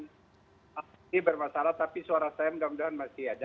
ini bermasalah tapi suara saya mudah mudahan masih ada